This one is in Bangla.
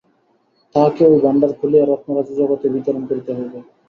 তাঁহাকে ঐ ভাণ্ডার খুলিয়া রত্নরাজি জগতে বিতরণ করিতে হইবে।